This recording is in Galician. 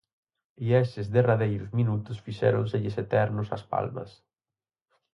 E eses derradeiros minutos fixéronselles eternos ás Palmas.